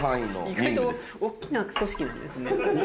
意外とおっきな組織なんですね。